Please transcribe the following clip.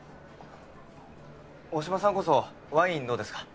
大島さんこそワインどうですか？